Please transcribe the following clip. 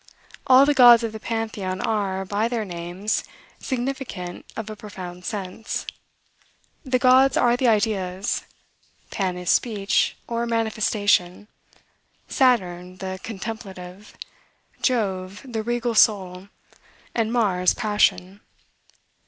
All the gods of the Pantheon are, by their names, significant of a profound sense. The gods are the ideas. Pan is speech, or manifestation; Saturn, the contemplative; Jove, the regal soul; and Mars, passion.